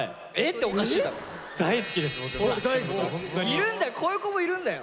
いるんだよこういう子もいるんだよ。